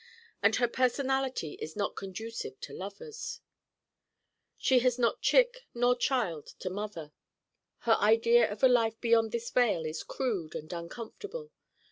And her personality is not conducive to lovers. She has nor chick nor child to mother. Her idea of a life beyond this vale is crude and uncomfortable.